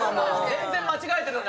全然間違えてるのに。